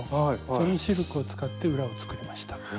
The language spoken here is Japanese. そのシルクを使って裏を作りました。